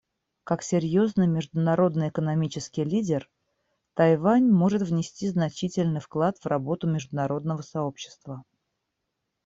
Как серьезный международный экономический лидер Тайвань может внести значительный вклад в работу международного сообщества.